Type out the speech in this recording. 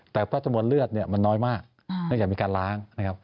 แต่ประสบวนเลือดมันน้อยมากเนื่องจากมีการล้าง